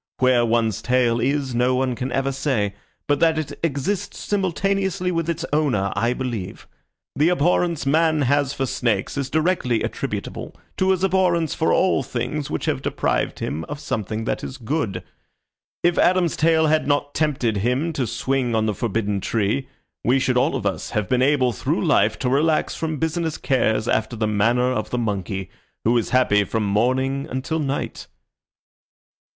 Where one's tail is no one can ever say, but that it exists simultaneously with its owner I believe. The abhorrence man has for snakes is directly attributable to his abhorrence for all things which have deprived him of something that is good. If Adam's tail had not tempted him to swing on the forbidden tree, we should all of us have been able through life to relax from business cares after the manner of the monkey, who is happy from morning until night."